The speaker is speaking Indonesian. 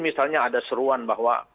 misalnya ada seruan bahwa